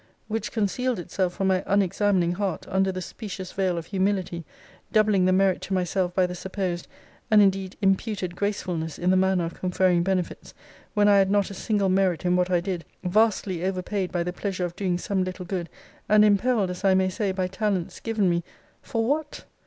Which concealed itself from my unexamining heart under the specious veil of humility, doubling the merit to myself by the supposed, and indeed imputed, gracefulness in the manner of conferring benefits, when I had not a single merit in what I did, vastly overpaid by the pleasure of doing some little good, and impelled, as I may say, by talents given me for what!